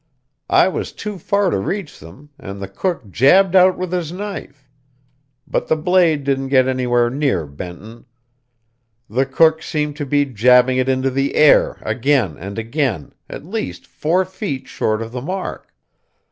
I was too far to reach them, and the cook jabbed out with his knife. But the blade didn't get anywhere near Benton. The cook seemed to be jabbing it into the air again and again, at least four feet short of the mark.